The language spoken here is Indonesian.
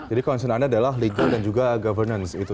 jadi konsen anda adalah legal dan juga governance itu